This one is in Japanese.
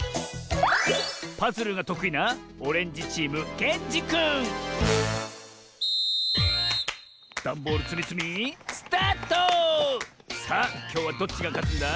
パズルがとくいなダンボールつみつみさあきょうはどっちがかつんだ？